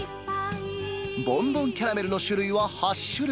ボンボンキャラメルの種類は８種類。